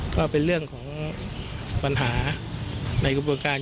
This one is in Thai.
ก็เป็นเรื่องของปัญหาในกรณ์การยุทธิธรรม